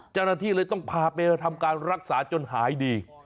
เจ้าหน้าที่เลยต้องพาไปทำการรักษาจนหายดี